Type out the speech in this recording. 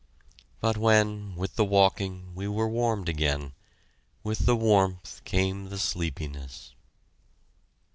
But when, with the walking, we were warmed again, with the warmth came the sleepiness.